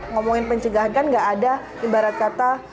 ngomongin pencegahan kan gak ada ibarat kata